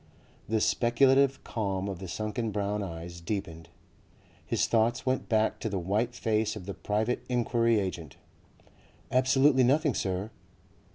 The speculative calm of the sunken brown eyes deepened. His thoughts went back to the white face of the private enquiry agent. "Absolutely nothing, Sir."